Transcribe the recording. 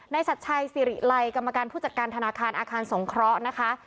ชัดชัยสิริไลกรรมการผู้จัดการธนาคารอาคารสงเคราะห์นะคะ